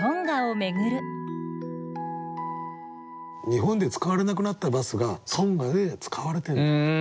日本で使われなくなったバスがトンガで使われてんの。